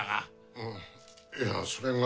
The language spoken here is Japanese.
あぁいやそれが。